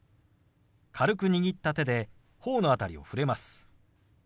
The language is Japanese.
軽く握った手で頬の辺りを触れます。